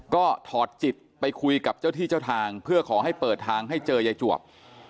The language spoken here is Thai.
ก็ถอดจิตไปคุยกับเจ้าที่เจ้าทางเพื่อขอให้เปิดทางให้เจอยายจวบ